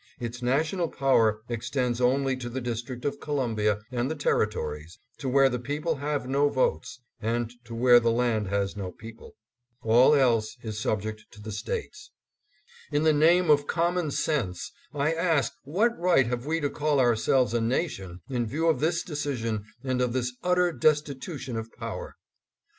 Its national power 660 ADDKESS AT LINCOLN HALL. extends only to the District of Columbia and the Terri tories— to where the people have no votes, and to where the land has no people. All else is subject to the States. In the name of common sense, I ask what right have we to call ourselves a nation, in view of this decision and of this utter destitution of power?